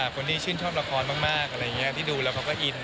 คนที่ชื่นชอบละครมากอะไรอย่างนี้ที่ดูแล้วเขาก็อิน